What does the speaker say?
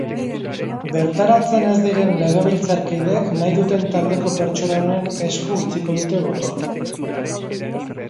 Bertaratzen ez diren legebiltzarkideek nahi duten taldeko pertsonaren esku utziko dute botoa.